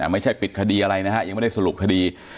ไม่ใช่ปิดคดีอะไรนะฮะยังไม่ได้สรุปคดี